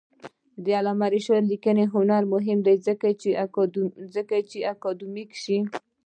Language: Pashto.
د علامه رشاد لیکنی هنر مهم دی ځکه چې اکاډمیک دی.